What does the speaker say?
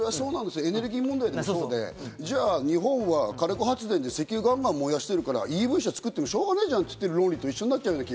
エネルギー問題もそうで、じゃあ日本は火力発電で石油ガンガン燃やしてるから、ＥＶ車を作ってもしょうがないじゃんという論議と同じになる。